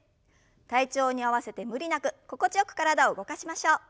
体調に合わせて無理なく心地よく体を動かしましょう。